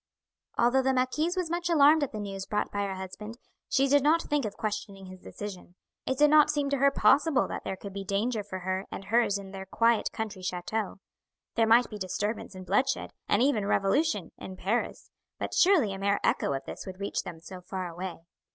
Although the marquise was much alarmed at the news brought by her husband she did not think of questioning his decision. It did not seem to her possible that there could be danger for her and hers in their quiet country chateau. There might be disturbance and bloodshed, and even revolution, in Paris; but surely a mere echo of this would reach them so far away.